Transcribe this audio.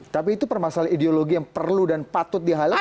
tapi itu permasalah ideologi yang perlu dan patut dihalang atau